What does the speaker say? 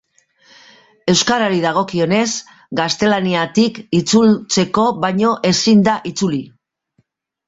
Euskarari dagokionez, gaztelaniatik itzultzeko baino ezin da itzuli.